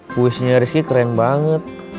puisinya rizky keren banget